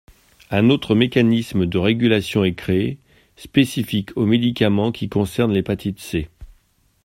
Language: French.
Un autre mécanisme de régulation est créé, spécifique aux médicaments qui concernent l’hépatite C.